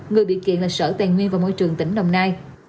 người bị kiện là sở tài nguyên và môi trường tỉnh đồng nai